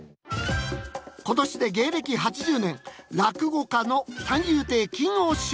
今年で芸歴８０年落語家の三遊亭金翁師匠。